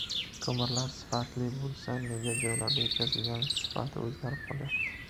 Ko`mirlar sifatli bo`lsa, nega joylarga etkazilganda sifati o`zgarib qolyapti?